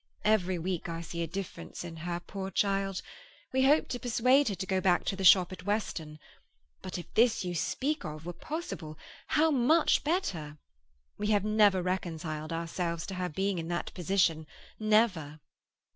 Every week I see a difference in her, poor child. We hoped to persuade her to go back to the shop at Weston; but if this you speak of were possible—how much better! We have never reconciled ourselves to her being in that position—never."